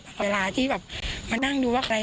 ก็คือมันมันมันลวน